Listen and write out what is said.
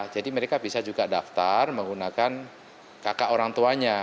jadi mereka bisa juga daftar menggunakan kakak orang tuanya